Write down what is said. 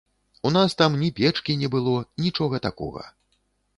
У нас там ні печкі не было, нічога такога.